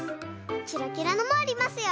キラキラのもありますよ。